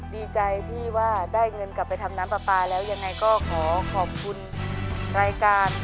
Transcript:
ดีใจที่ว่าได้เงินกลับไปทำน้ำปลาปลาแล้วยังไงก็ขอขอบคุณรายการ